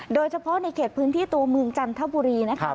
โดยเฉพาะในเขตพื้นที่ตัวเมืองจันทบุรีนะครับ